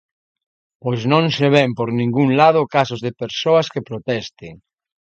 Pois non se ven por ningún lado casos de persoas que protesten.